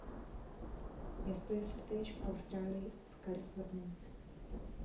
Pěstuje se též v Austrálii a v Kalifornii.